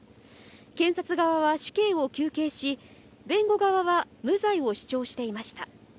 検察側は死刑を求刑し、弁護側は無罪を主張していました。